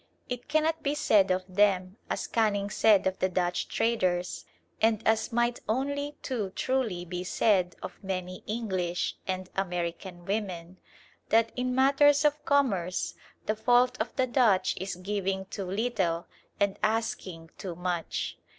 It cannot be said of them, as Canning said of the Dutch traders, and as might only too truly be said of many English and American women, that "in matters of commerce the fault of the Dutch is giving too little and asking too much."